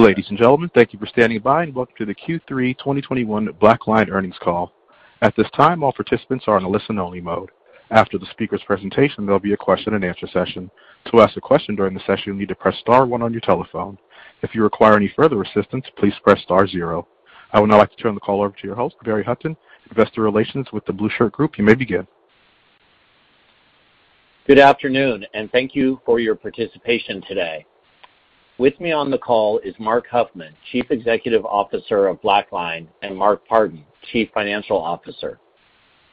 Ladies and gentlemen, thank you for standing by, and welcome to the Q3 2021 BlackLine earnings call. At this time, all participants are on a listen-only mode. After the speaker's presentation, there'll be a question and answer session. To ask a question during the session, you'll need to press star one on your telephone. If you require any further assistance, please press star zero. I would now like to turn the call over to your host, Barry Hutton, Investor Relations with The Blueshirt Group. You may begin. Good afternoon and thank you for your participation today. With me on the call is Marc Huffman, Chief Executive Officer of BlackLine, and Mark Partin, Chief Financial Officer.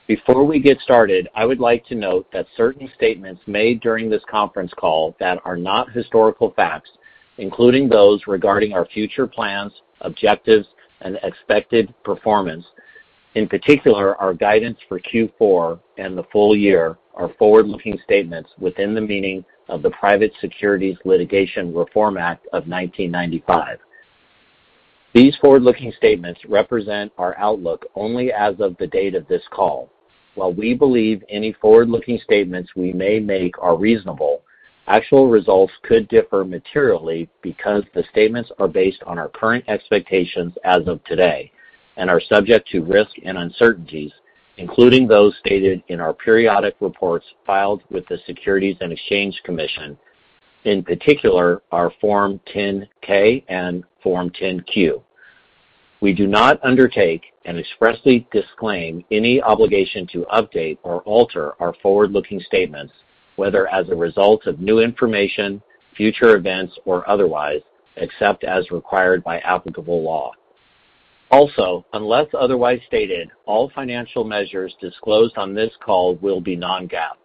Before we get started, I would like to note that certain statements made during this conference call that are not historical facts, including those regarding our future plans, objectives, and expected performance, in particular, our guidance for Q4 and the full year, are forward-looking statements within the meaning of the Private Securities Litigation Reform Act of 1995. These forward-looking statements represent our outlook only as of the date of this call. While we believe any forward-looking statements we may make are reasonable, actual results could differ materially because the statements are based on our current expectations as of today and are subject to risks and uncertainties, including those stated in our periodic reports filed with the Securities and Exchange Commission, in particular our Form 10-K and Form 10-Q. We do not undertake and expressly disclaim any obligation to update or alter our forward-looking statements, whether as a result of new information, future events, or otherwise, except as required by applicable law. Also, unless otherwise stated, all financial measures disclosed on this call will be non-GAAP.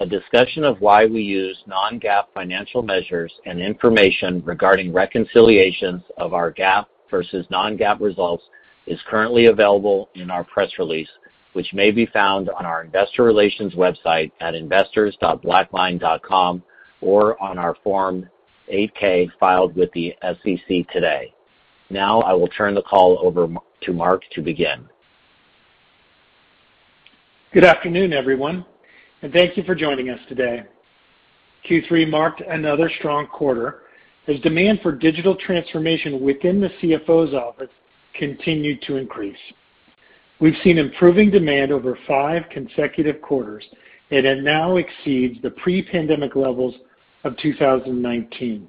A discussion of why we use non-GAAP financial measures and information regarding reconciliations of our GAAP versus non-GAAP results is currently available in our press release, which may be found on our investor relations website at investors.blackline.com or on our Form 8-K filed with the SEC today. Now I will turn the call over to Mark to begin. Good afternoon, everyone, and thank you for joining us today. Q3 marked another strong quarter as demand for digital transformation within the CFO's office continued to increase. We've seen improving demand over five consecutive quarters, and it now exceeds the pre-pandemic levels of 2019.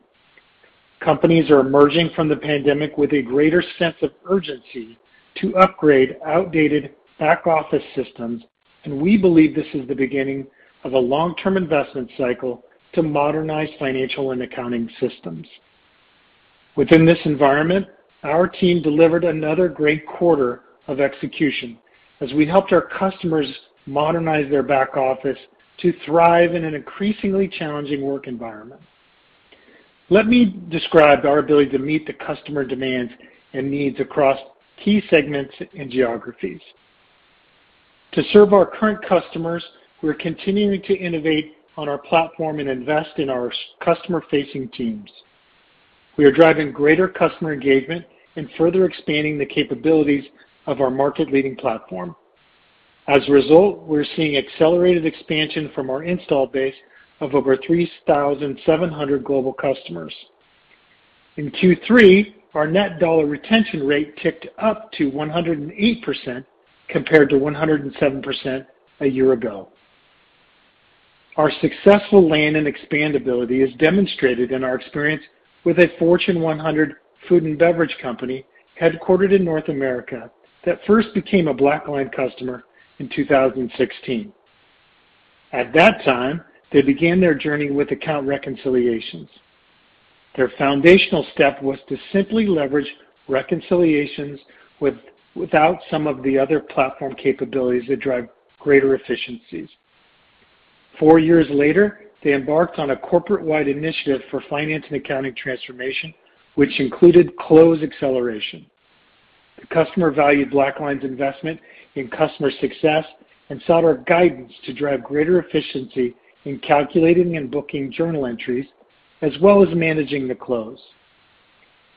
Companies are emerging from the pandemic with a greater sense of urgency to upgrade outdated back-office systems, and we believe this is the beginning of a long-term investment cycle to modernize financial and accounting systems. Within this environment, our team delivered another great quarter of execution as we helped our customers modernize their back office to thrive in an increasingly challenging work environment. Let me describe our ability to meet the customer demands and needs across key segments and geographies. To serve our current customers, we're continuing to innovate on our platform and invest in our customer-facing teams. We are driving greater customer engagement and further expanding the capabilities of our market-leading platform. As a result, we're seeing accelerated expansion from our install base of over 3,700 global customers. In Q3, our net dollar retention rate ticked up to 108% compared to 107% a year ago. Our successful land and expandability is demonstrated in our experience with a Fortune 100 food and beverage company headquartered in North America that first became a BlackLine customer in 2016. At that time, they began their journey with Account Reconciliations. Their foundational step was to simply leverage Reconciliations without some of the other platform capabilities that drive greater efficiencies. Four years later, they embarked on a corporate-wide initiative for finance and accounting transformation, which included close acceleration. The customer valued BlackLine's investment in customer success and sought our guidance to drive greater efficiency in calculating and booking journal entries, as well as managing the close.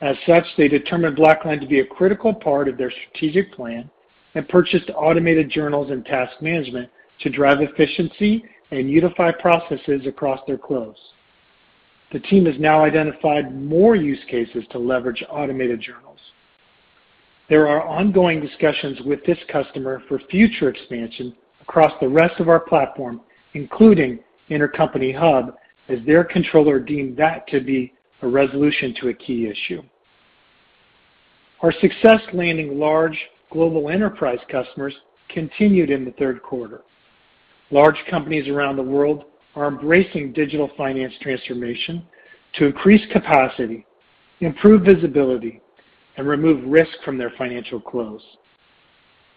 As such, they determined BlackLine to be a critical part of their strategic plan and purchased automated journals and task management to drive efficiency and unify processes across their close. The team has now identified more use cases to leverage automated journals. There are ongoing discussions with this customer for future expansion across the rest of our platform, including Intercompany Hub, as their controller deemed that to be a resolution to a key issue. Our success landing large global enterprise customers continued in the third quarter. Large companies around the world are embracing digital finance transformation to increase capacity, improve visibility, and remove risk from their financial close.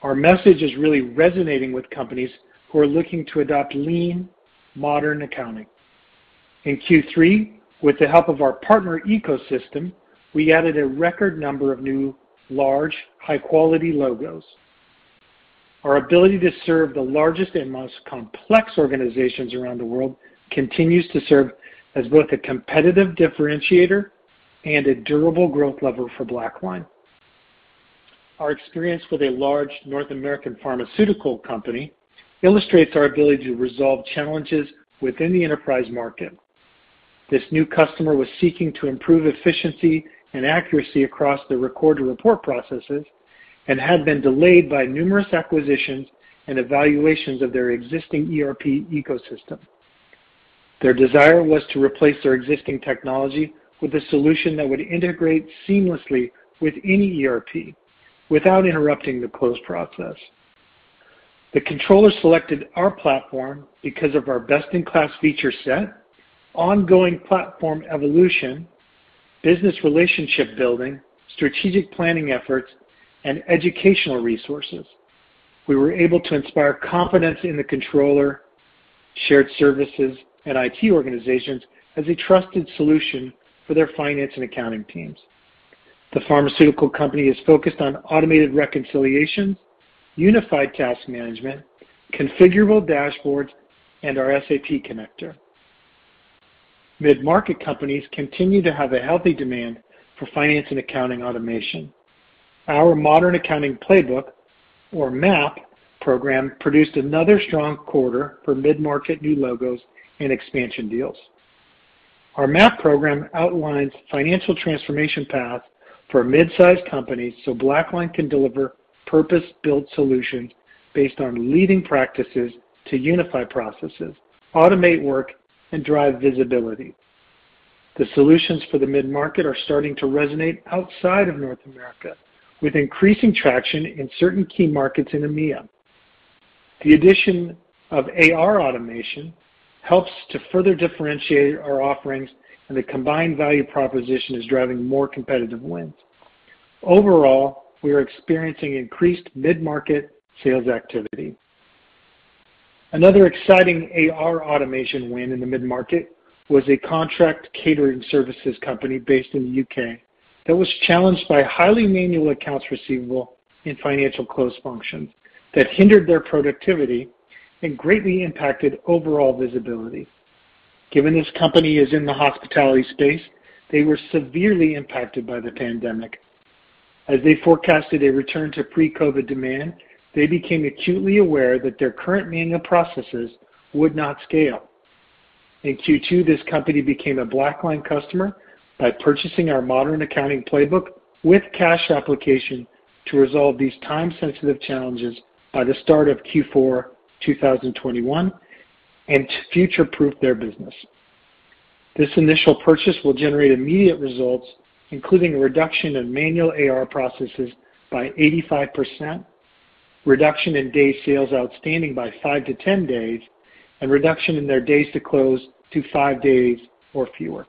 Our message is really resonating with companies who are looking to adopt lean, modern accounting. In Q3, with the help of our partner ecosystem, we added a record number of new, large, high-quality logos. Our ability to serve the largest and most complex organizations around the world continues to serve as both a competitive differentiator and a durable growth lever for BlackLine. Our experience with a large North American pharmaceutical company illustrates our ability to resolve challenges within the enterprise market. This new customer was seeking to improve efficiency and accuracy across the record-to-report processes and had been delayed by numerous acquisitions and evaluations of their existing ERP ecosystem. Their desire was to replace their existing technology with a solution that would integrate seamlessly with any ERP without interrupting the close process. The controller selected our platform because of our best-in-class feature set, ongoing platform evolution, business relationship building, strategic planning efforts, and educational resources. We were able to inspire confidence in the controller, shared services, and IT organizations as a trusted solution for their finance and accounting teams. The pharmaceutical company is focused on automated reconciliation, unified task management, configurable dashboards, and our SAP Connector. Mid-market companies continue to have a healthy demand for finance and accounting automation. Our Modern Accounting Playbook, or MAP, program produced another strong quarter for mid-market new logos and expansion deals. Our MAP program outlines financial transformation paths for mid-sized companies so BlackLine can deliver purpose-built solutions based on leading practices to unify processes, automate work, and drive visibility. The solutions for the mid-market are starting to resonate outside of North America, with increasing traction in certain key markets in EMEA. The addition of AR automation helps to further differentiate our offerings, and the combined value proposition is driving more competitive wins. Overall, we are experiencing increased mid-market sales activity. Another exciting AR automation win in the mid-market was a contract catering services company based in the U.K. that was challenged by highly manual accounts receivable and financial close functions that hindered their productivity and greatly impacted overall visibility. Given this company is in the hospitality space, they were severely impacted by the pandemic. As they forecasted a return to pre-COVID demand, they became acutely aware that their current manual processes would not scale. In Q2, this company became a BlackLine customer by purchasing our Modern Accounting Playbook with Cash Application to resolve these time-sensitive challenges by the start of Q4 2021 and to future-proof their business. This initial purchase will generate immediate results, including a reduction in manual AR processes by 85%, reduction in day sales outstanding by 5-10 days, and reduction in their days to close to five days or fewer.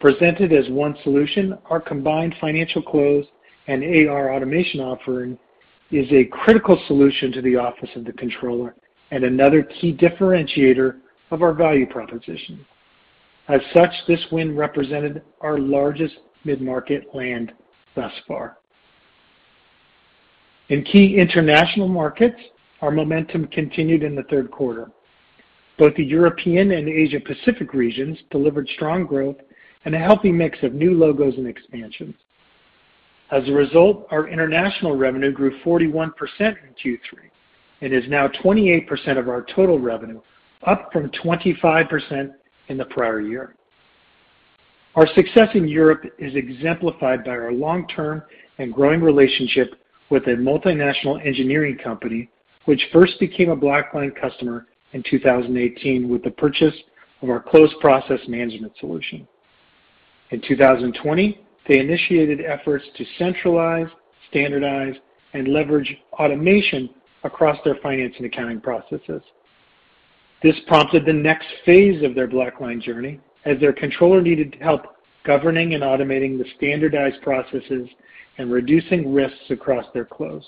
Presented as one solution, our combined financial close and AR automation offering is a critical solution to the office of the controller and another key differentiator of our value proposition. As such, this win represented our largest mid-market land thus far. In key international markets, our momentum continued in the third quarter. Both the European and Asia Pacific regions delivered strong growth and a healthy mix of new logos and expansions. As a result, our international revenue grew 41% in Q3 and is now 28% of our total revenue, up from 25% in the prior year. Our success in Europe is exemplified by our long-term and growing relationship with a multinational engineering company, which first became a BlackLine customer in 2018 with the purchase of our Close Process Management solution. In 2020, they initiated efforts to centralize, standardize, and leverage automation across their finance and accounting processes. This prompted the next phase of their BlackLine journey as their controller needed help governing and automating the standardized processes and reducing risks across their close.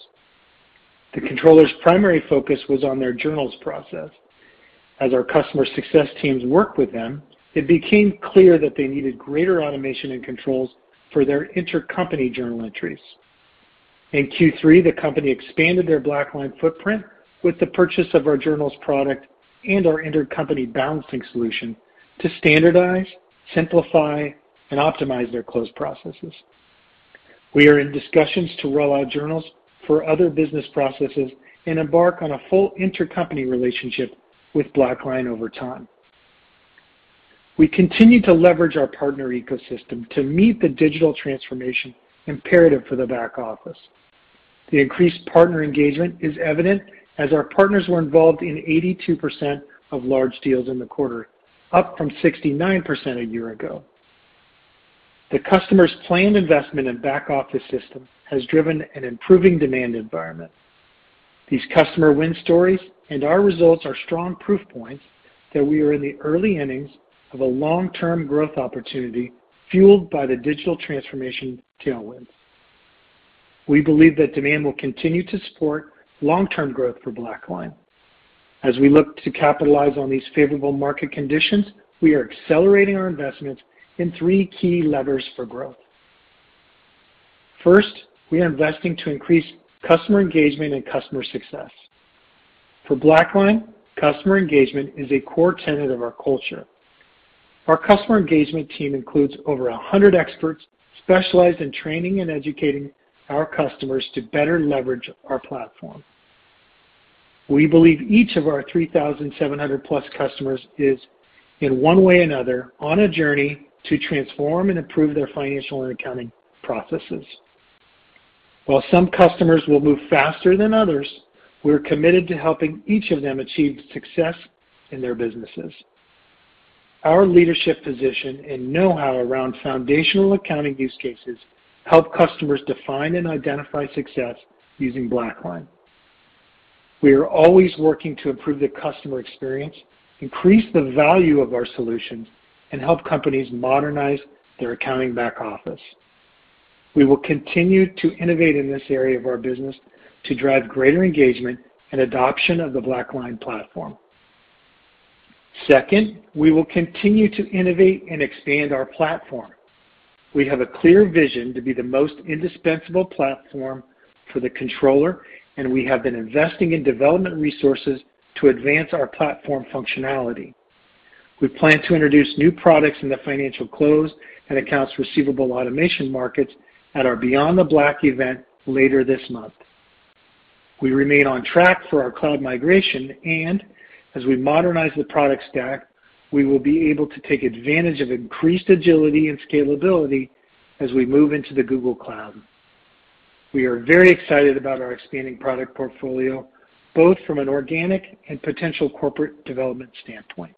The controller's primary focus was on their journals process. As our customer success teams worked with them, it became clear that they needed greater automation and controls for their intercompany journal entries. In Q3, the company expanded their BlackLine footprint with the purchase of our journals product and our intercompany balancing solution to standardize, simplify, and optimize their close processes. We are in discussions to roll out journals for other business processes and embark on a full intercompany relationship with BlackLine over time. We continue to leverage our partner ecosystem to meet the digital transformation imperative for the back office. The increased partner engagement is evident as our partners were involved in 82% of large deals in the quarter, up from 69% a year ago. The customer's planned investment in back-office systems has driven an improving demand environment. These customer win stories and our results are strong proof points that we are in the early innings of a long-term growth opportunity fueled by the digital transformation tailwinds. We believe that demand will continue to support long-term growth for BlackLine. As we look to capitalize on these favorable market conditions, we are accelerating our investments in three key levers for growth. First, we are investing to increase customer engagement and customer success. For BlackLine, customer engagement is a core tenet of our culture. Our customer engagement team includes over 100 experts specialized in training and educating our customers to better leverage our platform. We believe each of our 3,700+ customers is, in one way or another, on a journey to transform and improve their financial and accounting processes. While some customers will move faster than others, we're committed to helping each of them achieve success in their businesses. Our leadership position and know-how around foundational accounting use cases help customers define and identify success using BlackLine. We are always working to improve the customer experience, increase the value of our solutions, and help companies modernize their accounting back office. We will continue to innovate in this area of our business to drive greater engagement and adoption of the BlackLine platform. Second, we will continue to innovate and expand our platform. We have a clear vision to be the most indispensable platform for the controller, and we have been investing in development resources to advance our platform functionality. We plan to introduce new products in the financial close and accounts receivable automation markets at our BeyondTheBlack event later this month. We remain on track for our cloud migration, and as we modernize the product stack, we will be able to take advantage of increased agility and scalability as we move into the Google Cloud. We are very excited about our expanding product portfolio, both from an organic and potential corporate development standpoint.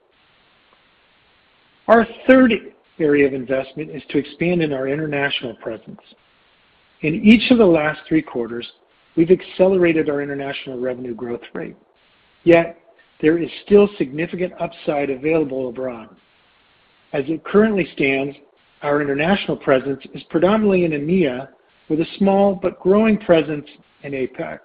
Our third area of investment is to expand in our international presence. In each of the last three quarters, we've accelerated our international revenue growth rate. Yet there is still significant upside available abroad. As it currently stands, our international presence is predominantly in EMEA, with a small but growing presence in APAC.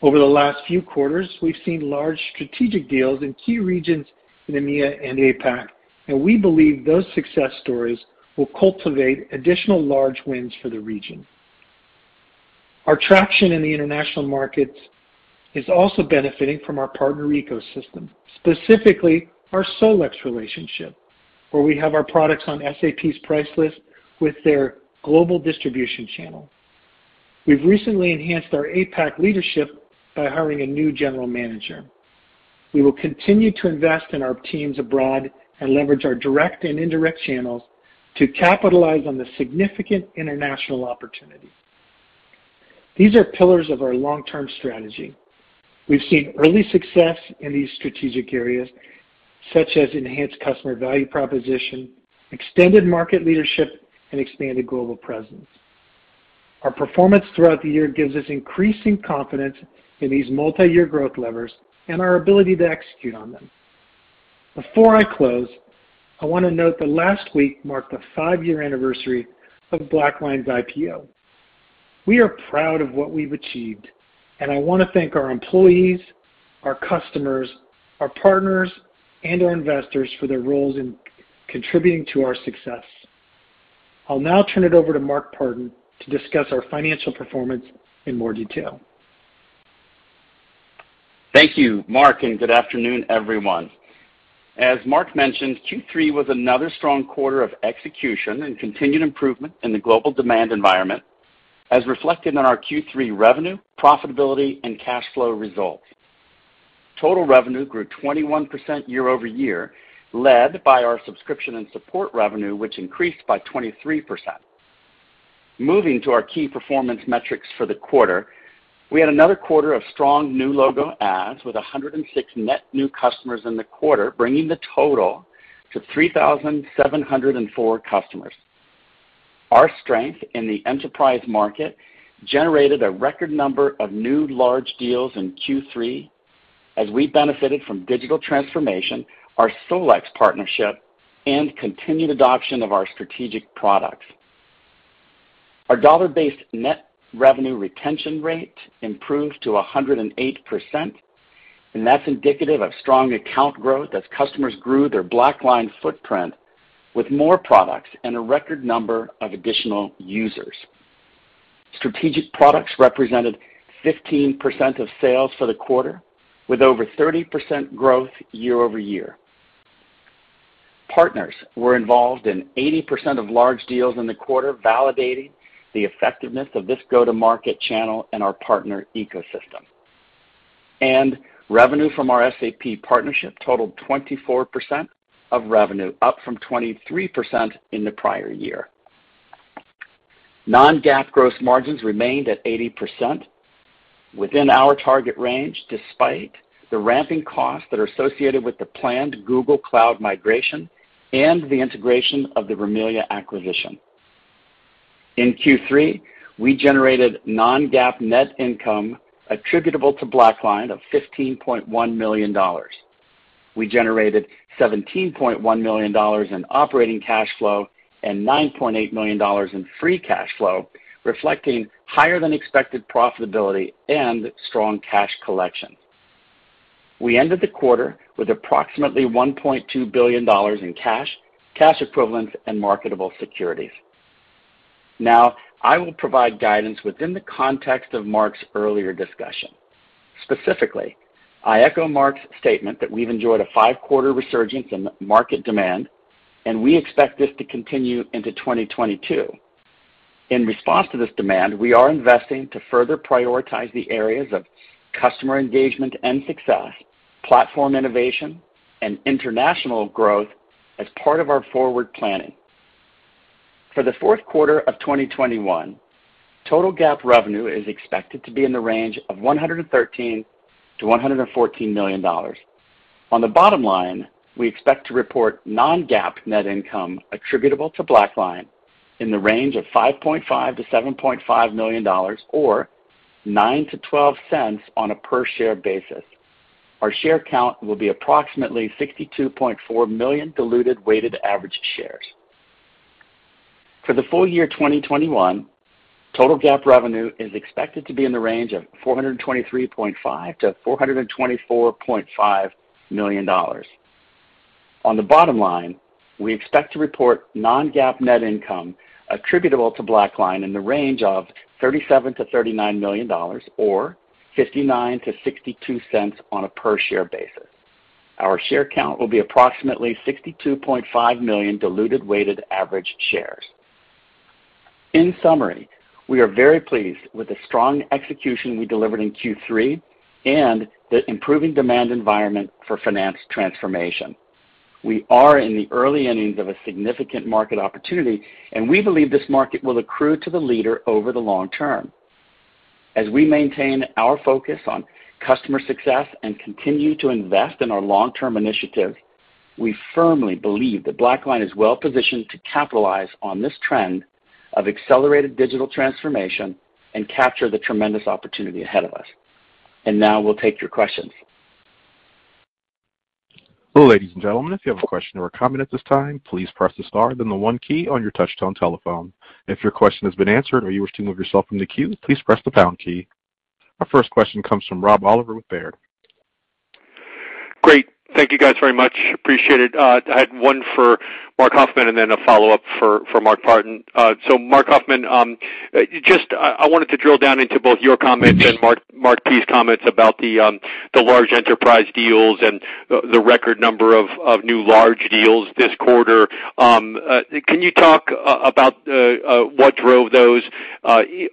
Over the last few quarters, we've seen large strategic deals in key regions in EMEA and APAC, and we believe those success stories will cultivate additional large wins for the region. Our traction in the international markets is also benefiting from our partner ecosystem, specifically our SolEx relationship, where we have our products on SAP's price list with their global distribution channel. We've recently enhanced our APAC leadership by hiring a new general manager. We will continue to invest in our teams abroad and leverage our direct and indirect channels to capitalize on the significant international opportunity. These are pillars of our long-term strategy. We've seen early success in these strategic areas, such as enhanced customer value proposition, extended market leadership, and expanded global presence. Our performance throughout the year gives us increasing confidence in these multi-year growth levers and our ability to execute on them. Before I close, I wanna note that last week marked the five-year anniversary of BlackLine's IPO. We are proud of what we've achieved, and I wanna thank our employees, our customers, our partners, and our investors for their roles in contributing to our success. I'll now turn it over to Mark Partin to discuss our financial performance in more detail. Thank you, Marc, and good afternoon, everyone. As Marc mentioned, Q3 was another strong quarter of execution and continued improvement in the global demand environment, as reflected in our Q3 revenue, profitability, and cash flow results. Total revenue grew 21% year-over-year, led by our subscription and support revenue, which increased by 23%. Moving to our key performance metrics for the quarter, we had another quarter of strong new logo adds, with 106 net new customers in the quarter, bringing the total to 3,704 customers. Our strength in the enterprise market generated a record number of new large deals in Q3 as we benefited from digital transformation, our SolEx partnership, and continued adoption of our strategic products. Our dollar-based net revenue retention rate improved to 108%, and that's indicative of strong account growth as customers grew their BlackLine footprint with more products and a record number of additional users. Strategic products represented 15% of sales for the quarter, with over 30% growth year-over-year. Partners were involved in 80% of large deals in the quarter, validating the effectiveness of this go-to-market channel and our partner ecosystem. Revenue from our SAP partnership totaled 24% of revenue, up from 23% in the prior year. Non-GAAP gross margins remained at 80% within our target range, despite the ramping costs that are associated with the planned Google Cloud migration and the integration of the Rimilia acquisition. In Q3, we generated non-GAAP net income attributable to BlackLine of $15.1 million. We generated $17.1 million in operating cash flow and $9.8 million in free cash flow, reflecting higher than expected profitability and strong cash collection. We ended the quarter with approximately $1.2 billion in cash equivalents, and marketable securities. Now I will provide guidance within the context of Mark's earlier discussion. Specifically, I echo Mark's statement that we've enjoyed a 5-quarter resurgence in market demand, and we expect this to continue into 2022. In response to this demand, we are investing to further prioritize the areas of customer engagement and success, platform innovation, and international growth as part of our forward planning. For the fourth quarter of 2021, total GAAP revenue is expected to be in the range of $113 million-$114 million. On the bottom line, we expect to report non-GAAP net income attributable to BlackLine in the range of $5.5 million-$7.5 million or 9-12 cents on a per share basis. Our share count will be approximately 62.4 million diluted weighted average shares. For the full year 2021, total GAAP revenue is expected to be in the range of $423.5 million-$424.5 million. On the bottom line, we expect to report non-GAAP net income attributable to BlackLine in the range of $37 million-$39 million or 59-62 cents on a per share basis. Our share count will be approximately 62.5 million diluted weighted average shares. In summary, we are very pleased with the strong execution we delivered in Q3 and the improving demand environment for finance transformation. We are in the early innings of a significant market opportunity, and we believe this market will accrue to the leader over the long term. As we maintain our focus on customer success and continue to invest in our long-term initiatives, we firmly believe that BlackLine is well positioned to capitalize on this trend of accelerated digital transformation and capture the tremendous opportunity ahead of us. Now we'll take your questions. Our first question comes from Rob Oliver with Baird. Great. Thank you guys very much. Appreciate it. I had one for Marc Huffman and then a follow-up for Mark Partin. Marc Huffman, just I wanted to drill down into both your comments and Mark P.'s comments about the large enterprise deals and the record number of new large deals this quarter. Can you talk about what drove those? I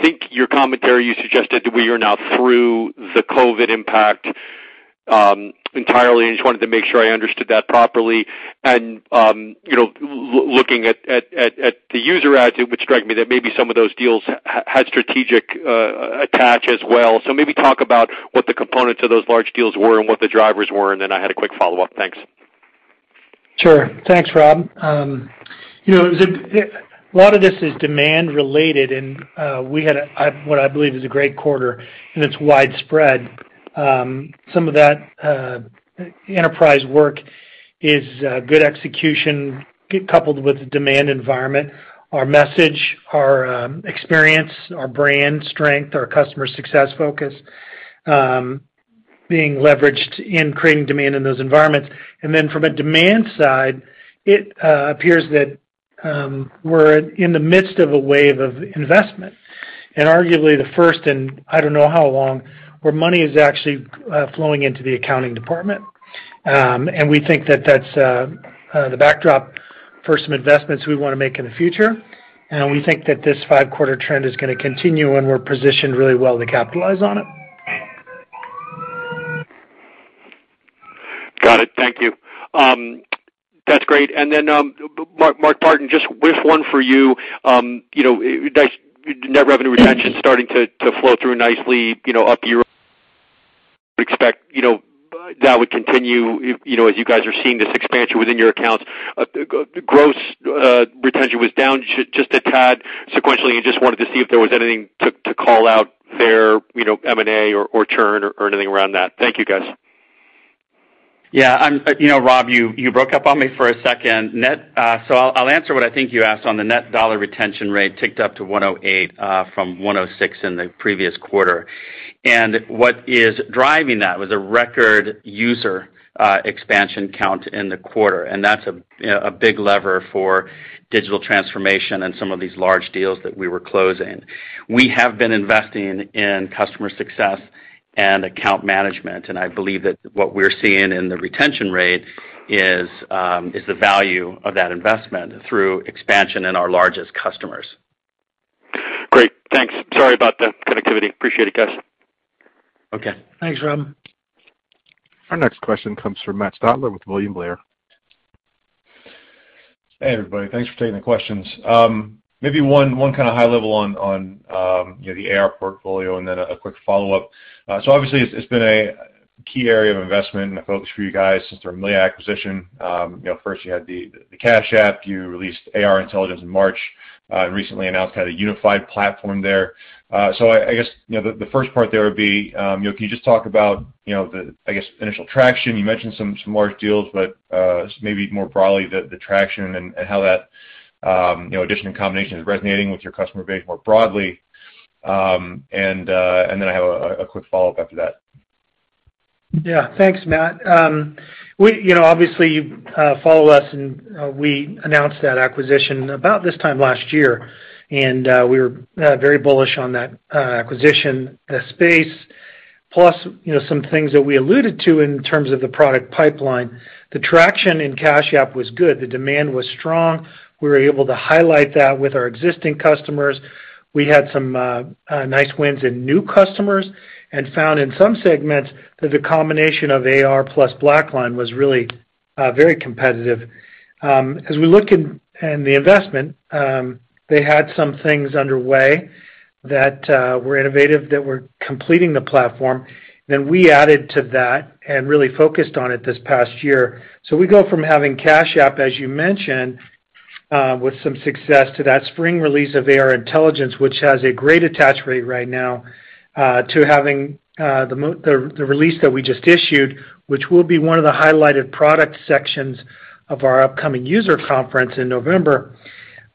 think your commentary, you suggested that we are now through the COVID impact entirely. I just wanted to make sure I understood that properly. You know, looking at the user adds, it would strike me that maybe some of those deals had strategic attach as well. Maybe talk about what the components of those large deals were and what the drivers were. I had a quick follow-up. Thanks. Sure. Thanks, Rob. A lot of this is demand related and we had what I believe is a great quarter, and it's widespread. Some of that enterprise work is good execution coupled with demand environment. Our message, our experience, our brand strength, our customer success focus, being leveraged in creating demand in those environments. Then from a demand side, it appears that we're in the midst of a wave of investment and arguably the first in I don't know how long, where money is actually flowing into the accounting department. We think that that's the backdrop for some investments we wanna make in the future. We think that this five-quarter trend is gonna continue, and we're positioned really well to capitalize on it. Got it. Thank you. That's great. Mark Partin, just with one for you. You know, nice net revenue retention starting to flow through nicely, you know, up year. I expect, you know, that would continue if, you know, as you guys are seeing this expansion within your accounts. Gross retention was down just a tad sequentially. I just wanted to see if there was anything to call out there, you know, M&A or churn or anything around that. Thank you, guys. You know, Rob, you broke up on me for a second. Net, so I'll answer what I think you asked on the net dollar retention rate ticked up to 108 from 106 in the previous quarter. What is driving that was a record user expansion count in the quarter, and that's a big lever for digital transformation and some of these large deals that we were closing. We have been investing in customer success and account management, and I believe that what we're seeing in the retention rate is the value of that investment through expansion in our largest customers. Great. Thanks. Sorry about the connectivity. Appreciate it, guys. Okay. Thanks, Rob. Our next question comes from Matt Stotler with William Blair. Hey, everybody. Thanks for taking the questions. Maybe one kinda high level on you know, the AR portfolio and then a quick follow-up. So obviously it's been a key area of investment and a focus for you guys since the Rimilia acquisition. You know, first you had the Cash Application, you released AR Intelligence in March, and recently announced kind of unified platform there. So I guess, you know, the first part there would be, you know, can you just talk about, you know, the initial traction. You mentioned some large deals, but maybe more broadly, the traction and how that, you know, addition and combination is resonating with your customer base more broadly. And then I have a quick follow-up after that. Yeah. Thanks, Matt. You know, obviously, you follow us and we announced that acquisition about this time last year, and we were very bullish on that acquisition, the space, plus, you know, some things that we alluded to in terms of the product pipeline. The traction in Cash Application was good. The demand was strong. We were able to highlight that with our existing customers. We had some nice wins in new customers and found in some segments that the combination of AR plus BlackLine was really very competitive. As we look into the investment, they had some things underway that were innovative, that were completing the platform. We added to that and really focused on it this past year. We go from having Cash Application, as you mentioned, with some success to that spring release of AR Intelligence, which has a great attach rate right now, to having the release that we just issued, which will be one of the highlighted product sections of our upcoming user conference in November,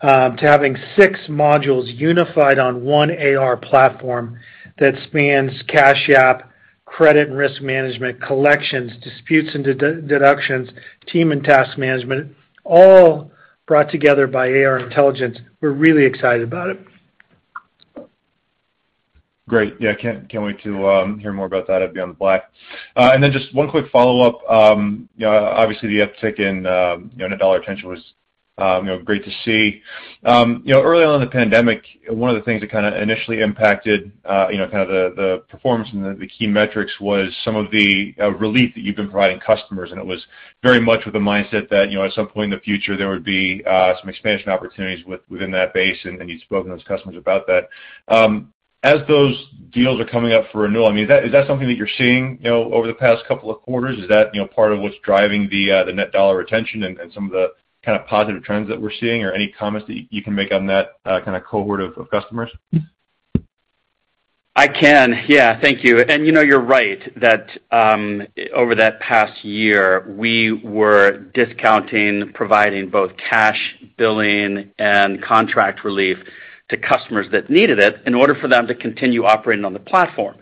to having six modules unified on one AR platform that spans Cash Application, Credit & Risk Management, Collections Management, Disputes & Deductions, Team & Task Management, all brought together by AR Intelligence. We're really excited about it. Great. Yeah. Can't wait to hear more about that at BeyondTheBlack. Just one quick follow-up. You know, obviously, the uptick in net dollar retention was great to see. You know, early on in the pandemic, one of the things that kinda initially impacted you know, kind of the performance and the key metrics was some of the relief that you've been providing customers, and it was very much with the mindset that you know, at some point in the future, there would be some expansion opportunities within that base, and you've spoken to those customers about that. As those deals are coming up for renewal, I mean, is that something that you're seeing you know, over the past couple of quarters? Is that, you know, part of what's driving the net dollar retention and some of the kind of positive trends that we're seeing? Any comments that you can make on that, kinda cohort of customers? I can, yeah. Thank you. You know, you're right that over that past year, we were discounting, providing both cash billing and contract relief to customers that needed it in order for them to continue operating on the platform,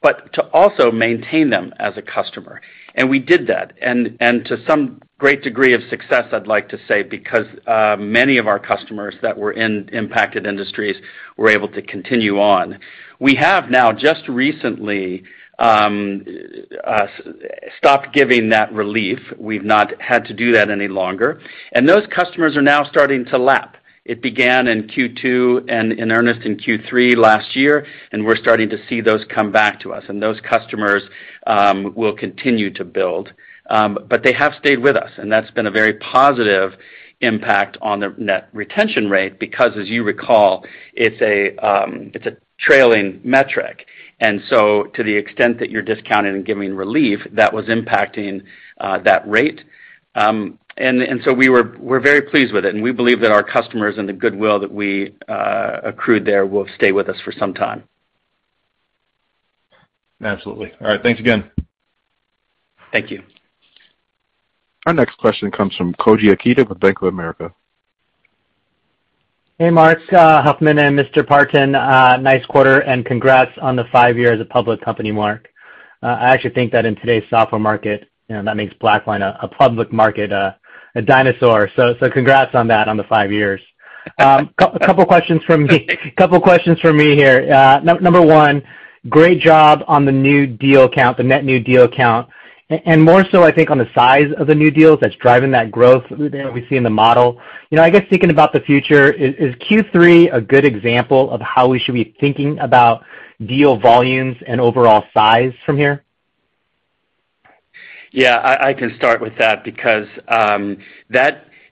but to also maintain them as a customer, and we did that. To some great degree of success, I'd like to say, because many of our customers that were in impacted industries were able to continue on. We have now just recently stopped giving that relief. We've not had to do that any longer, and those customers are now starting to lap. It began in Q2 and in earnest in Q3 last year, and we're starting to see those come back to us, and those customers will continue to build. They have stayed with us, and that's been a very positive impact on the net retention rate because, as you recall, it's a trailing metric. To the extent that you're discounting and giving relief, that was impacting that rate. We're very pleased with it, and we believe that our customers and the goodwill that we accrued there will stay with us for some time. Absolutely. All right. Thanks again. Thank you. Our next question comes from Koji Ikeda with Bank of America. Hey, Marc Huffman and Mr. Partin, nice quarter, and congrats on the five years of public company, Mark. I actually think that in today's software market, you know, that makes BlackLine a public market dinosaur. Congrats on that on the five years. Couple questions from me here. Number one, great job on the new deal count, the net new deal count, and more so I think on the size of the new deals that's driving that growth that we see in the model. You know, I guess thinking about the future, is Q3 a good example of how we should be thinking about deal volumes and overall size from here? Yeah. I can start with that because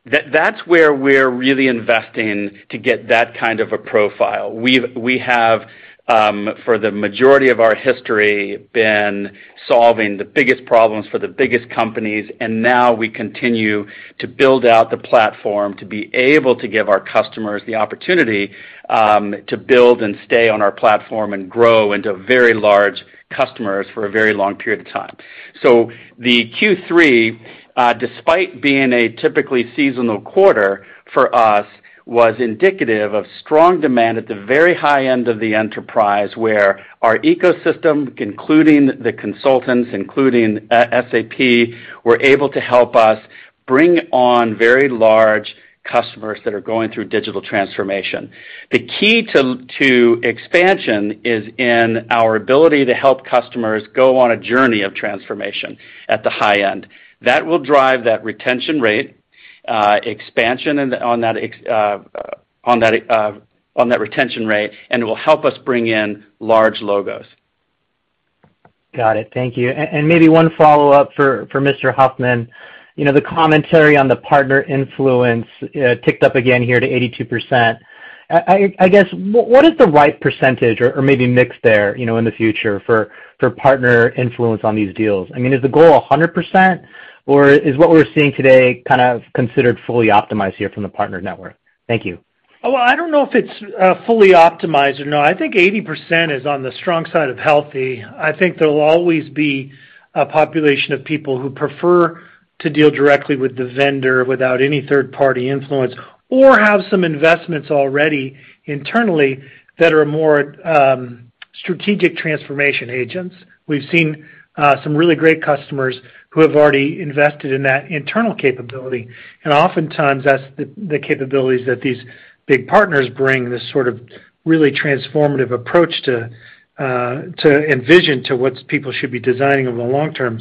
that's where we're really investing to get that kind of a profile. We've, for the majority of our history, been solving the biggest problems for the biggest companies, and now we continue to build out the platform to be able to give our customers the opportunity to build and stay on our platform and grow into very large customers for a very long period of time. The Q3, despite being a typically seasonal quarter for us, was indicative of strong demand at the very high end of the enterprise, where our ecosystem, including the consultants, SAP, were able to help us bring on very large customers that are going through digital transformation. The key to expansion is in our ability to help customers go on a journey of transformation at the high end. That will drive that retention rate expansion on that retention rate, and it will help us bring in large logos. Got it. Thank you. Maybe one follow-up for Mr. Huffman. You know, the commentary on the partner influence ticked up again here to 82%. I guess what is the right percentage or maybe mix there, you know, in the future for partner influence on these deals? I mean, is the goal 100%, or is what we're seeing today kind of considered fully optimized here from the partner network? Thank you. I don't know if it's fully optimized or not. I think 80% is on the strong side of healthy. I think there'll always be a population of people who prefer to deal directly with the vendor without any third party influence or have some investments already internally that are more strategic transformation agents. We've seen some really great customers who have already invested in that internal capability, and oftentimes that's the capabilities that these big partners bring this sort of really transformative approach to envision to what people should be designing over the long term.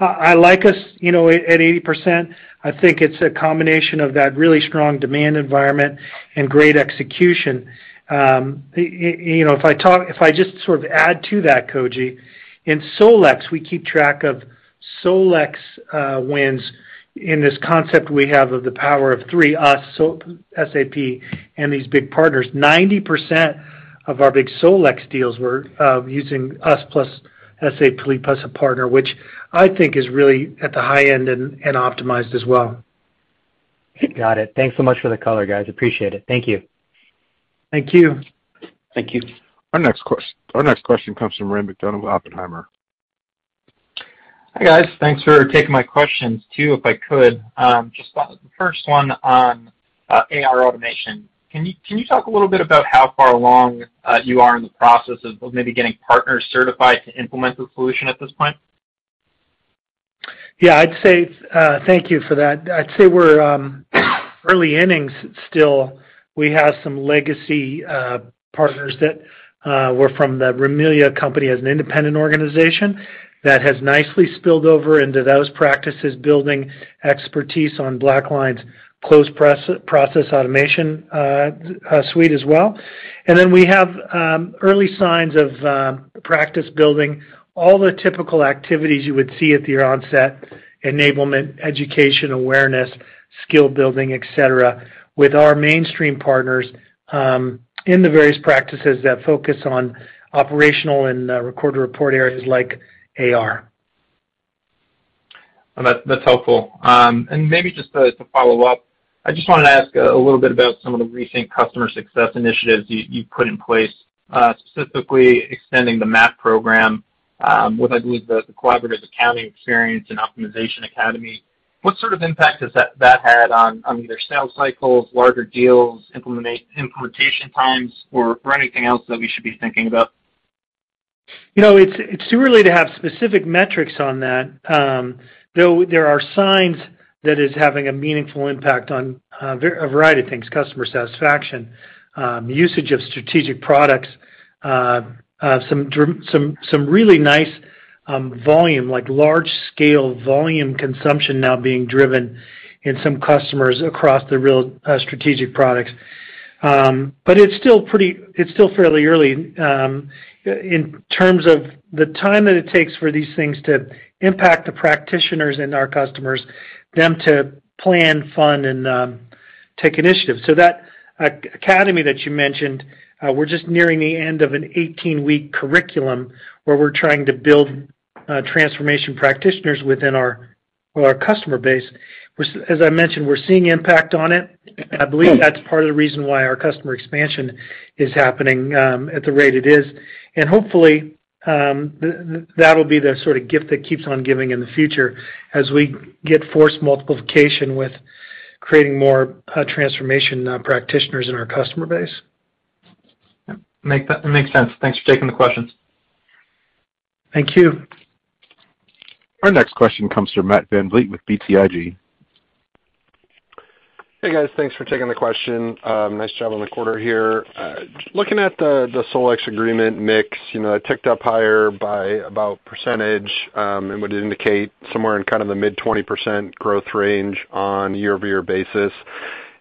I like us, you know, at 80%. I think it's a combination of that really strong demand environment and great execution. You know, if I just sort of add to that, Koji, in SolEx, we keep track of SolEx wins in this concept we have of the power of three, us, SAP and these big partners. 90% of our big SolEx deals were using us plus SAP plus a partner, which I think is really at the high end and optimized as well. Got it. Thanks so much for the color, guys. Appreciate it. Thank you. Thank you. Thank you. Our next question comes from Ryan MacDonald with Needham. Hi, guys. Thanks for taking my questions too, if I could. Just the first one on AR automation. Can you talk a little bit about how far along you are in the process of maybe getting partners certified to implement the solution at this point? Yeah, I'd say, thank you for that. I'd say we're early innings still. We have some legacy partners that were from the Rimilia company as an independent organization that has nicely spilled over into those practices, building expertise on BlackLine's close process automation suite as well. We have early signs of practice building all the typical activities you would see at the onset, enablement, education, awareness, skill building, et cetera, with our mainstream partners in the various practices that focus on operational and record-to-report areas like AR. That's helpful. Maybe just to follow up, I just wanted to ask a little bit about some of the recent customer success initiatives you've put in place, specifically extending the MAP program, with, I believe, the Collaborative Accounting Experience and Optimization Academy. What sort of impact has that had on either sales cycles, larger deals, implementation times, or anything else that we should be thinking about? You know, it's too early to have specific metrics on that, though there are signs that is having a meaningful impact on a variety of things, customer satisfaction, usage of strategic products, some really nice volume, like large scale volume consumption now being driven in some customers across the real strategic products. It's still fairly early in terms of the time that it takes for these things to impact the practitioners and our customers, them to plan, fund, and take initiative. That academy that you mentioned, we're just nearing the end of an 18-week curriculum where we're trying to build transformation practitioners within our customer base, which as I mentioned, we're seeing impact on it. I believe that's part of the reason why our customer expansion is happening at the rate it is. Hopefully, that'll be the sort of gift that keeps on giving in the future as we get force multiplication with creating more transformation practitioners in our customer base. Yep. That makes sense. Thanks for taking the questions. Thank you. Our next question comes from Matt VanVliet with BTIG. Hey, guys. Thanks for taking the question. Nice job on the quarter here. Looking at the SolEx agreement mix, you know, it ticked up higher by about percentage, and would indicate somewhere in kind of the mid-20% growth range on a year-over-year basis.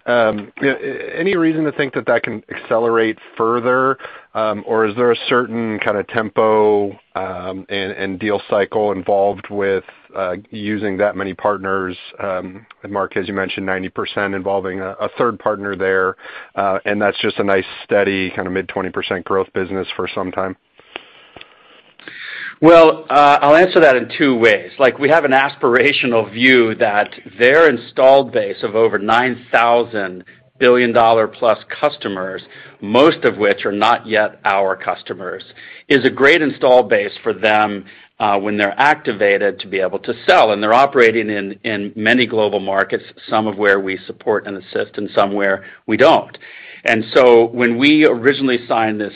Any reason to think that that can accelerate further, or is there a certain kind of tempo, and deal cycle involved with using that many partners, Mark, as you mentioned, 90% involving a third partner there, and that's just a nice steady kind of mid-20% growth business for some time? Well, I'll answer that in two ways. Like, we have an aspirational view that their installed base of over 9,000 billion-dollar-plus customers, most of which are not yet our customers, is a great installed base for them when they're activated to be able to sell. They're operating in many global markets, some of which we support and assist, and some where we don't. When we originally signed this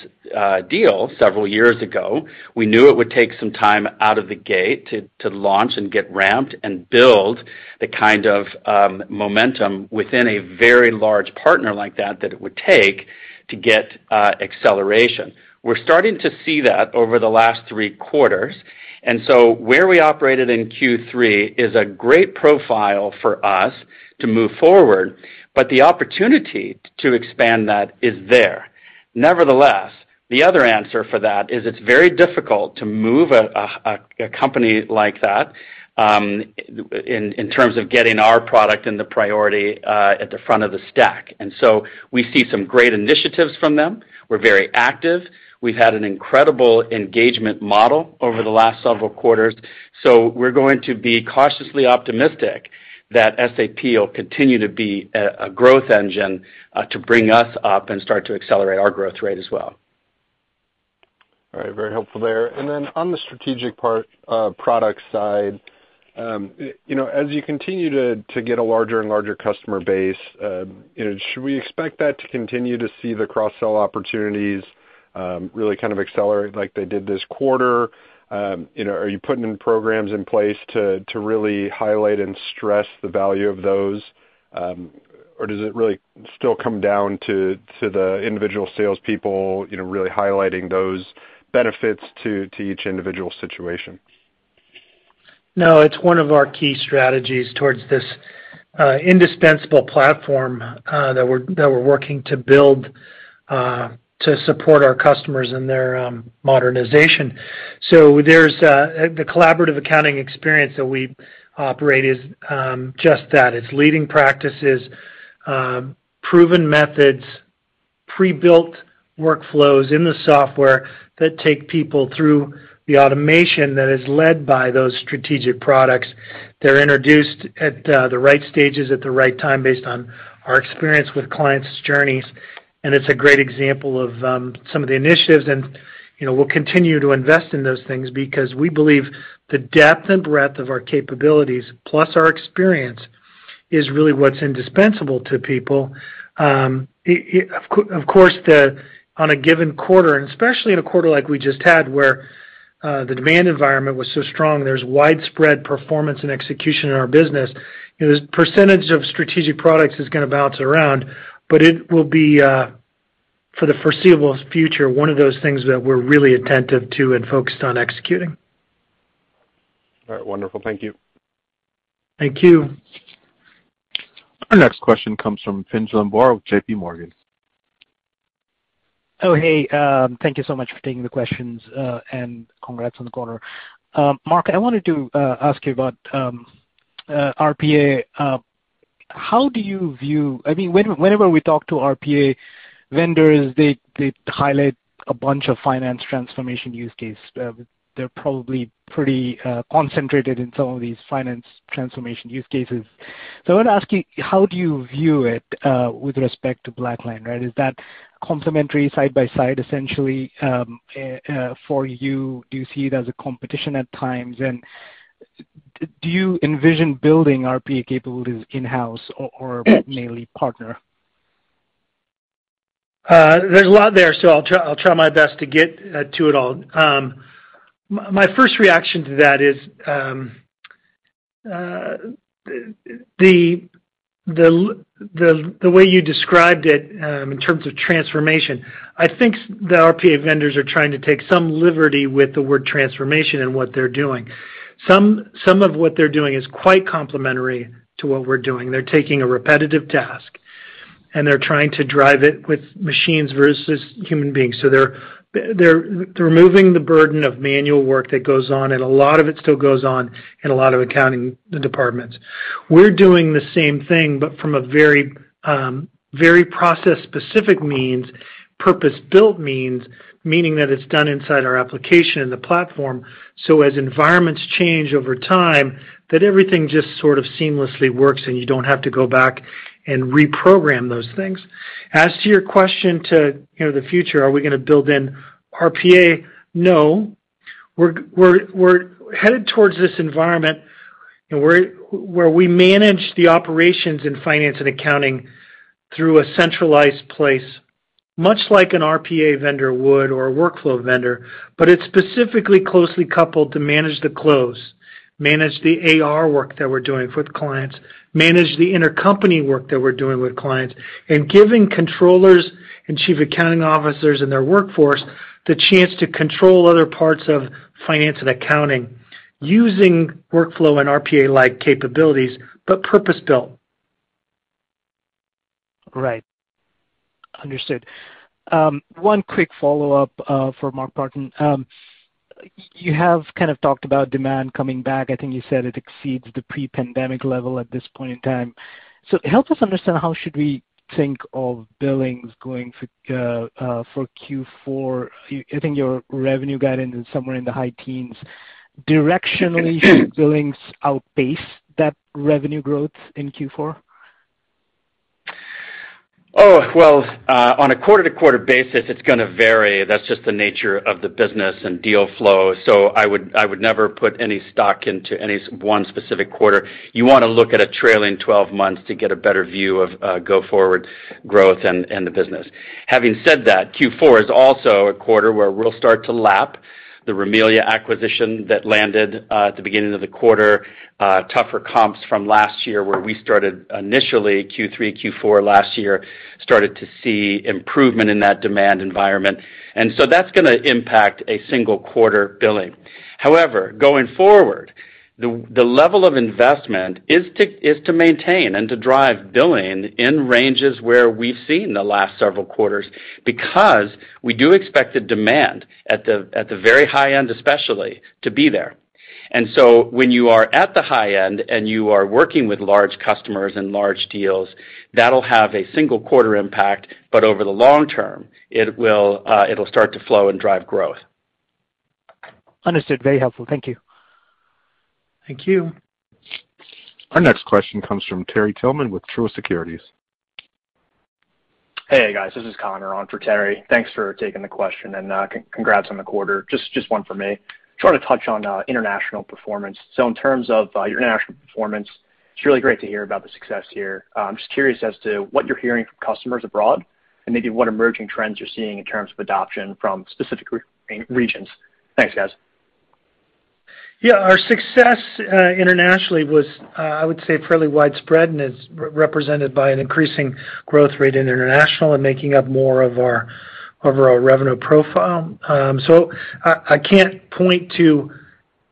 deal several years ago, we knew it would take some time out of the gate to launch and get ramped and build the kind of momentum within a very large partner like that that it would take to get acceleration. We're starting to see that over the last three quarters, where we operated in Q3 is a great profile for us to move forward, but the opportunity to expand that is there. Nevertheless, the other answer for that is it's very difficult to move a company like that, in terms of getting our product and the priority, at the front of the stack. We see some great initiatives from them. We're very active. We've had an incredible engagement model over the last several quarters. We're going to be cautiously optimistic that SAP will continue to be a growth engine, to bring us up and start to accelerate our growth rate as well. All right. Very helpful there. On the strategic part, product side, you know, as you continue to get a larger and larger customer base, you know, should we expect that to continue to see the cross-sell opportunities, really kind of accelerate like they did this quarter? You know, are you putting programs in place to really highlight and stress the value of those? Or does it really still come down to the individual salespeople, you know, really highlighting those benefits to each individual situation? No, it's one of our key strategies towards this indispensable platform that we're working to build to support our customers in their modernization. There's the Collaborative Accounting Experience that we operate is just that. It's leading practices proven methods, pre-built workflows in the software that take people through the automation that is led by those strategic products. They're introduced at the right stages at the right time based on our experience with clients' journeys. It's a great example of some of the initiatives. You know, we'll continue to invest in those things because we believe the depth and breadth of our capabilities plus our experience is really what's indispensable to people. Of course, on a given quarter, and especially in a quarter like we just had, where the demand environment was so strong, there's widespread performance and execution in our business. You know, percentage of strategic products is gonna bounce around, but it will be, for the foreseeable future, one of those things that we're really attentive to and focused on executing. All right. Wonderful. Thank you. Thank you. Our next question comes from Pinjalim Bora with JPMorgan. Oh, hey, thank you so much for taking the questions, and congrats on the quarter. Mark, I wanted to ask you about RPA. How do you view it? I mean, whenever we talk to RPA vendors, they highlight a bunch of finance transformation use case. They're probably pretty concentrated in some of these finance transformation use cases. I wanna ask you, how do you view it with respect to BlackLine, right? Is that complementary side by side, essentially, for you? Do you see it as a competition at times? Do you envision building RPA capabilities in-house or mainly partner? There's a lot there, so I'll try my best to get to it all. My first reaction to that is the way you described it in terms of transformation. I think the RPA vendors are trying to take some liberty with the word transformation and what they're doing. Some of what they're doing is quite complementary to what we're doing. They're taking a repetitive task, and they're trying to drive it with machines versus human beings. So they're removing the burden of manual work that goes on, and a lot of it still goes on in a lot of accounting departments. We're doing the same thing, but from a very process-specific means, purpose-built means, meaning that it's done inside our application in the platform. As environments change over time, that everything just sort of seamlessly works, and you don't have to go back and reprogram those things. As to your question to, you know, the future, are we gonna build in RPA? No. We're headed towards this environment where we manage the operations in finance and accounting through a centralized place, much like an RPA vendor would or a workflow vendor, but it's specifically closely coupled to manage the close, manage the AR work that we're doing with clients, manage the intercompany work that we're doing with clients, and giving controllers and chief accounting officers and their workforce the chance to control other parts of finance and accounting using workflow and RPA-like capabilities, but purpose-built. Right. Understood. One quick follow-up for Mark Partin. You have kind of talked about demand coming back. I think you said it exceeds the pre-pandemic level at this point in time. Help us understand how should we think of billings going for Q4. I think your revenue guidance is somewhere in the high teens. Directionally, should billings outpace that revenue growth in Q4? Well, on a quarter-to-quarter basis, it's gonna vary. That's just the nature of the business and deal flow. I would never put any stock into any one specific quarter. You wanna look at a trailing twelve months to get a better view of go forward growth and the business. Having said that, Q4 is also a quarter where we'll start to lap the Rimilia acquisition that landed at the beginning of the quarter. Tougher comps from last year, where we started initially Q3, Q4 last year, started to see improvement in that demand environment. That's gonna impact a single quarter billing. However, going forward, the level of investment is to maintain and to drive billing in ranges where we've seen the last several quarters because we do expect the demand at the very high end, especially, to be there. When you are at the high end and you are working with large customers and large deals, that'll have a single quarter impact, but over the long term, it'll start to flow and drive growth. Understood. Very helpful. Thank you. Thank you. Our next question comes from Terry Tillman with Truist Securities. Hey guys, this is Connor on for Terry. Thanks for taking the question, and congrats on the quarter. Just one for me. Trying to touch on international performance. In terms of your international performance, it's really great to hear about the success here. I'm just curious as to what you're hearing from customers abroad and maybe what emerging trends you're seeing in terms of adoption from specific regions. Thanks, guys. Yeah. Our success internationally was, I would say fairly widespread, and it's represented by an increasing growth rate in international and making up more of our overall revenue profile. So I can't point to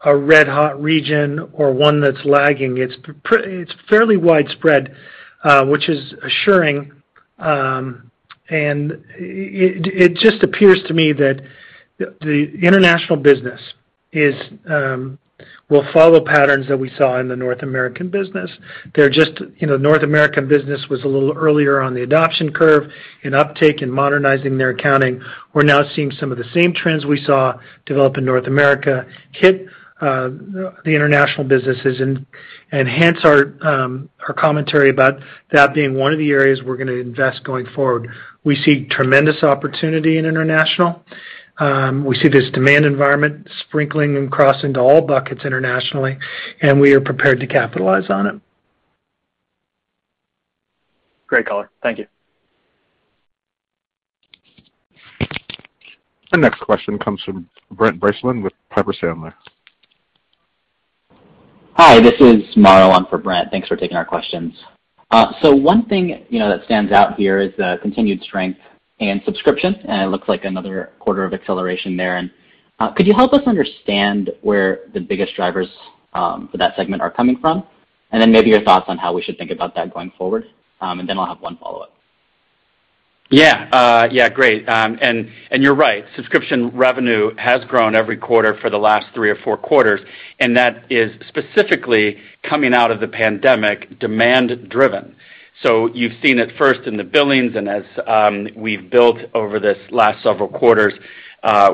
a red-hot region or one that's lagging. It's fairly widespread, which is assuring, and it just appears to me that the international business will follow patterns that we saw in the North American business. They're just, you know, North American business was a little earlier on the adoption curve in uptake, in modernizing their accounting. We're now seeing some of the same trends we saw develop in North America hit the international businesses and enhance our our commentary about that being one of the areas we're gonna invest going forward. We see tremendous opportunity in international. We see this demand environment sprinkling and crossing into all buckets internationally, and we are prepared to capitalize on it. Great color. Thank you. The next question comes from Brent Bracelin with Piper Sandler. Hi, this is Mari on for Brent. Thanks for taking our questions. One thing, you know, that stands out here is the continued strength in subscription, and it looks like another quarter of acceleration there. Could you help us understand where the biggest drivers for that segment are coming from? Then maybe your thoughts on how we should think about that going forward. Then I'll have one follow-up. Yeah. Yeah, great. You're right, subscription revenue has grown every quarter for the last three or four quarters, and that is specifically coming out of the pandemic, demand driven. You've seen it first in the billings, and as we've built over this last several quarters,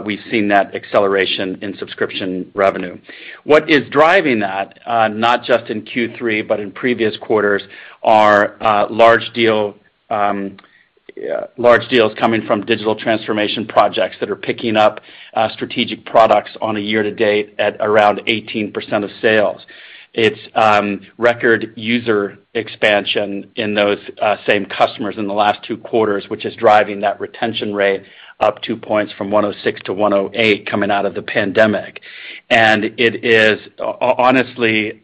we've seen that acceleration in subscription revenue. What is driving that, not just in Q3, but in previous quarters are large deals coming from digital transformation projects that are picking up, strategic products on a year to date at around 18% of sales. It's record user expansion in those same customers in the last two quarters, which is driving that retention rate up two points from 106 to 108 coming out of the pandemic. It is, honestly,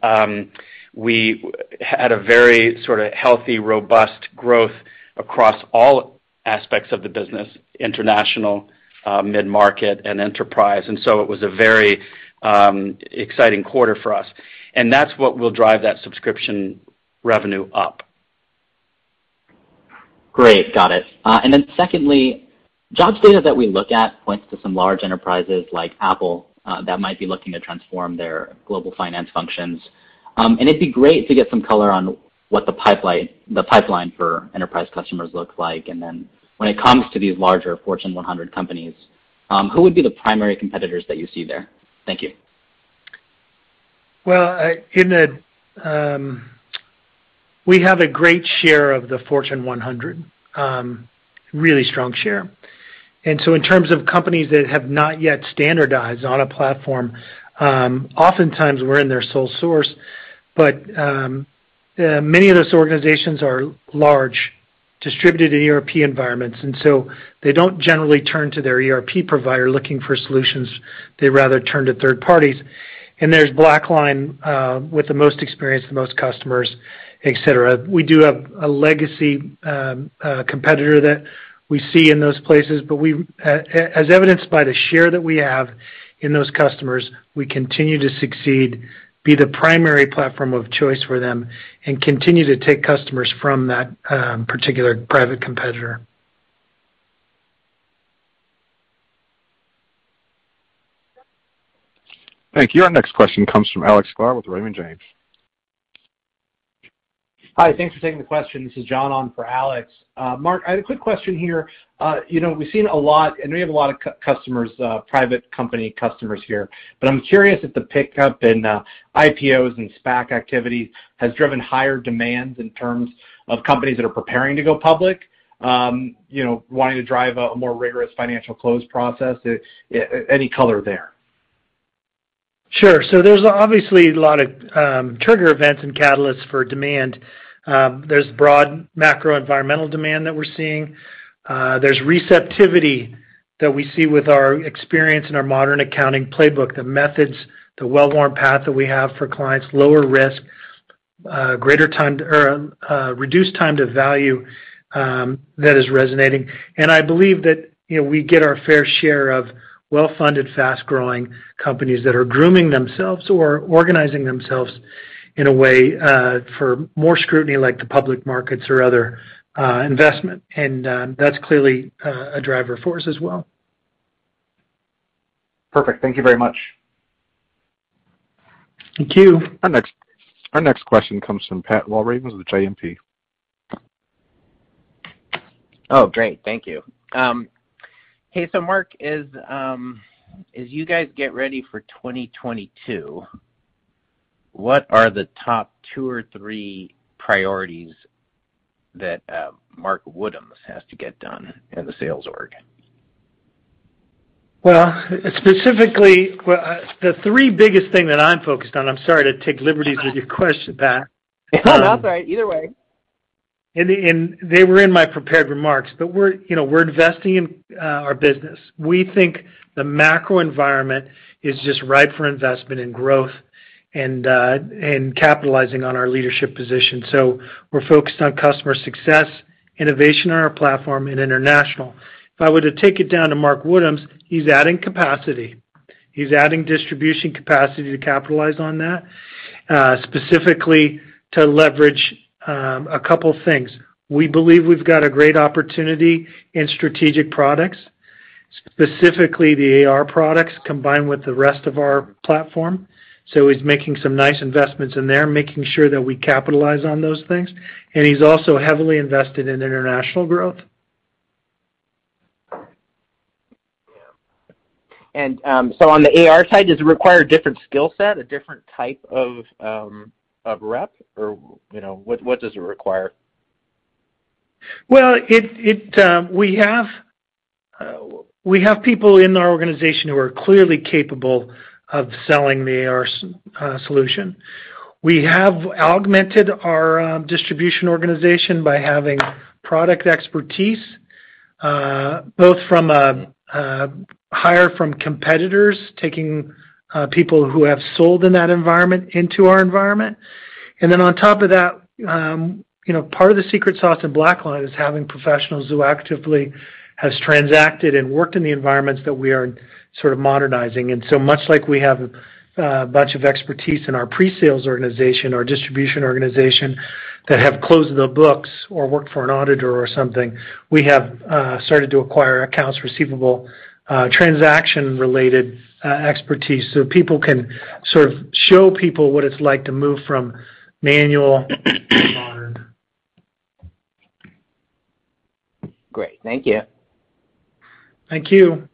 we had a very sorta healthy, robust growth across all aspects of the business, international, mid-market and enterprise. It was a very, exciting quarter for us, and that's what will drive that subscription revenue up. Great. Got it. Secondly, jobs data that we look at points to some large enterprises like Apple that might be looking to transform their global finance functions. It'd be great to get some color on what the pipeline for enterprise customers looks like. When it comes to these larger Fortune 100 companies, who would be the primary competitors that you see there? Thank you. Well, we have a great share of the Fortune 100, really strong share. In terms of companies that have not yet standardized on a platform, oftentimes we're in their sole source. Many of those organizations are large, distributed in ERP environments, and so they don't generally turn to their ERP provider looking for solutions. They rather turn to third parties. There's BlackLine with the most experience, the most customers, et cetera. We do have a legacy competitor that we see in those places, but we, as evidenced by the share that we have in those customers, continue to succeed, be the primary platform of choice for them, and continue to take customers from that particular private competitor. Thank you. Our next question comes from Alex Sklar with Raymond James. Hi. Thanks for taking the question. This is John on for Alex. Marc, I had a quick question here. You know, we've seen a lot and we have a lot of customers, private company customers here. But I'm curious if the pickup in IPOs and SPAC activity has driven higher demands in terms of companies that are preparing to go public, you know, wanting to drive a more rigorous financial close process. Any color there? Sure. There's obviously a lot of trigger events and catalysts for demand. There's broad macro environmental demand that we're seeing. There's receptivity that we see with our experience in our Modern Accounting Playbook, the methods, the well-worn path that we have for clients, lower risk, greater time or reduced time to value, that is resonating. I believe that, you know, we get our fair share of well-funded, fast-growing companies that are grooming themselves or organizing themselves in a way, for more scrutiny like the public markets or other investment. That's clearly a driver for us as well. Perfect. Thank you very much. Thank you. Our next question comes from Pat Walravens with JMP. Oh, great. Thank you. Okay, as you guys get ready for 2022, what are the top two or three priorities that Mark Woodhams has to get done in the sales org? Well, specifically, the three biggest thing that I'm focused on. I'm sorry to take liberties with your question, Pat. No, that's all right, either way. They were in my prepared remarks, but we're, you know, investing in our business. We think the macro environment is just right for investment and growth and capitalizing on our leadership position. We're focused on customer success, innovation on our platform and international. If I were to take it down to Mark Woodhams, he's adding capacity. He's adding distribution capacity to capitalize on that, specifically to leverage a couple things. We believe we've got a great opportunity in strategic products, specifically the AR products, combined with the rest of our platform. He's making some nice investments in there, making sure that we capitalize on those things. He's also heavily invested in international growth. On the AR side, does it require a different skill set, a different type of rep or, you know, what does it require? We have people in our organization who are clearly capable of selling the AR solution. We have augmented our distribution organization by having product expertise both from a hire from competitors, taking people who have sold in that environment into our environment. On top of that, you know, part of the secret sauce in BlackLine is having professionals who actively has transacted and worked in the environments that we are sort of modernizing. Much like we have a bunch of expertise in our pre-sales organization or distribution organization that have closed the books or worked for an auditor or something, we have started to acquire accounts receivable transaction-related expertise, so people can sort of show people what it's like to move from manual to modern. Great. Thank you. Thank you.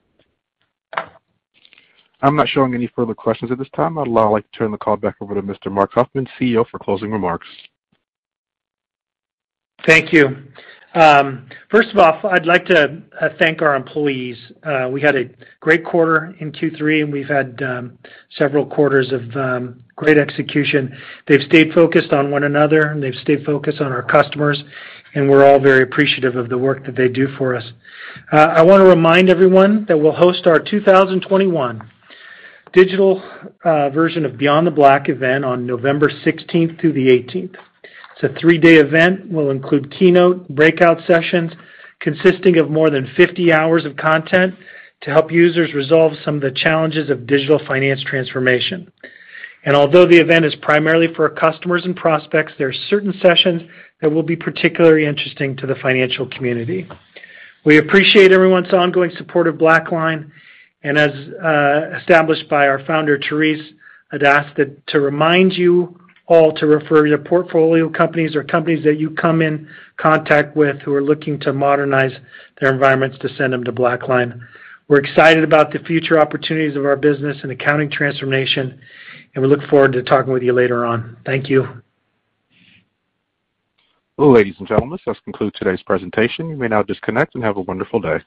I'm not showing any further questions at this time. I'd like to turn the call back over to Mr. Marc Huffman, CEO, for closing remarks. Thank you. First of all, I'd like to thank our employees. We had a great quarter in Q3, and we've had several quarters of great execution. They've stayed focused on one another, and they've stayed focused on our customers, and we're all very appreciative of the work that they do for us. I wanna remind everyone that we'll host our 2021 digital version of BeyondTheBlack event on November sixteenth through the eighteenth. It's a three-day event. We'll include keynote, breakout sessions consisting of more than 50 hours of content to help users resolve some of the challenges of digital finance transformation. Although the event is primarily for our customers and prospects, there are certain sessions that will be particularly interesting to the financial community. We appreciate everyone's ongoing support of BlackLine, and as established by our founder, Therese, I'd ask that to remind you all to refer your portfolio companies or companies that you come in contact with who are looking to modernize their environments to send them to BlackLine. We're excited about the future opportunities of our business and accounting transformation, and we look forward to talking with you later on. Thank you. Ladies and gentlemen, this concludes today's presentation. You may now disconnect and have a wonderful day.